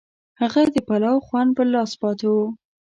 هغه د پلاو خوند پر لاس پاتې و.